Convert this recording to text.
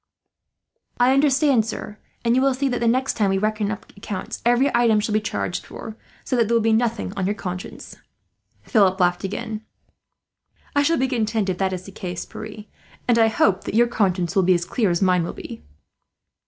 "I understand, sir, and you will see that the next time we reckon up accounts every item shall be charged for, so that there will be nothing on your conscience." Philip laughed again. "I shall be content if that is the case, Pierre; and I hope that your conscience will be as clear as mine will be."